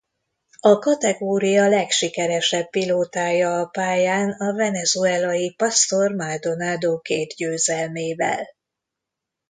A kategória legsikeresebb pilótája a pályán a venezuelai Pastor Maldonado két győzelmével.